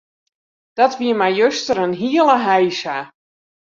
Dat wie my juster in hiele heisa.